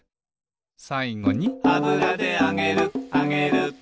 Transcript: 「さいごに」「あぶらであげるあげる」